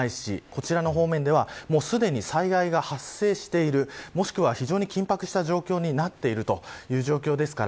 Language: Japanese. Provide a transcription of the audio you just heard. こちらの方面ではすでに災害が発生しているもしくは非常に緊迫している状況になっているという状況です。